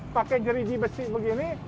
pakai jeriji besi begini